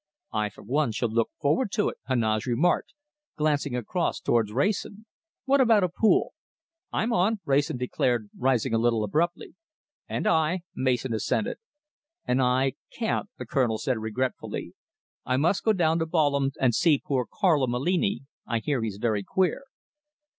"I, for one, shall look forward to it," Heneage remarked, glancing across towards Wrayson. "What about a pool?" "I'm on," Wrayson declared, rising a little abruptly. "And I," Mason assented. "And I can't," the Colonel said regretfully. "I must go down to Balham and see poor Carlo Mallini; I hear he's very queer."